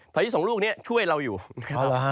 พายุสองลูกเนี่ยช่วยเราอยู่นะครับ